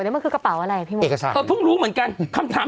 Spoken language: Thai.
นี่มันคือกระเป๋าอะไรพี่มดเอกชัยก็เพิ่งรู้เหมือนกันคำถาม